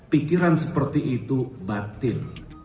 pikiran seperti itu batil